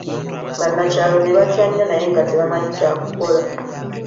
Banakyalo ne batya nnyo naye nga tebamanyi ky'akukola.